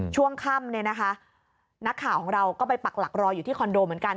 ช่วงค่ำเนี่ยนะคะนักข่าวของเราก็ไปปักหลักรออยู่ที่คอนโดเหมือนกัน